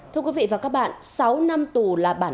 thưa quý vị và các bạn sáu năm tù là bản